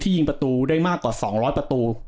ยิงประตูได้มากกว่า๒๐๐ประตู